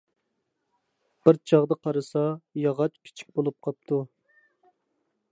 بىر چاغدا قارىسا، ياغاچ كىچىك بولۇپ قاپتۇ.